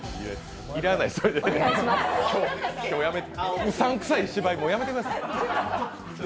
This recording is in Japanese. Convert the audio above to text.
要らないです、うさんくさい芝居、もうやめてください。